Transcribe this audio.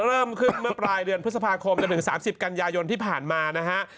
เริ่มขึ้นเมื่อปลายเดือนพฤษภาคมจนถึง๓๐กันยายนที่ผ่านมานะฮะ